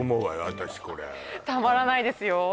私これたまらないですよ